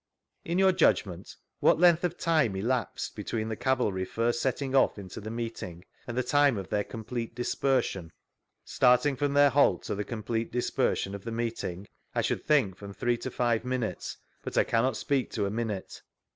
In your judgment, what length of time elapsed between the cavalry first setting off into the meet ing and the time of their complete dispersion?— vGoogIc 30 THREE ACCOUNTS OF PETERLOO Starting from their halt to the com^riete dispersion of the meeting, I should think from three to five minutes; but I cannot speak to a minute.